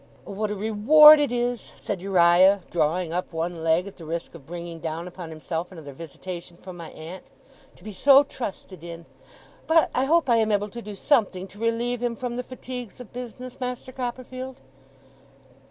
'Oh, what a reward it is,' said Uriah, drawing up one leg, at the risk of bringing down upon himself another visitation from my aunt, 'to be so trusted in! But I hope I am able to do something to relieve him from the fatigues of business, Master Copperfield!